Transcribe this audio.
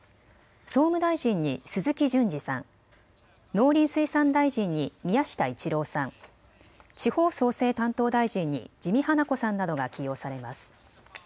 総務大臣に鈴木淳司さん、農林水産大臣に宮下一郎さん、地方創生担当大臣に自見英子さんなどが起用されます。